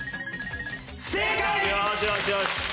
正解です！